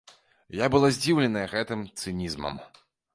Я была здзіўлена гэтым цынізмам.